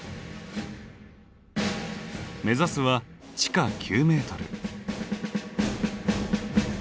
目指すは地下９メートル。